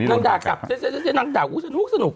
ถ้ี่นั่งด่ากลับสเตอร์พลั้งเอง